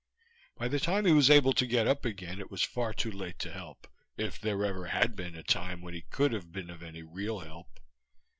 By the time he was able to get up again it was far too late to help ... if there ever had been a time when he could have been of any real help.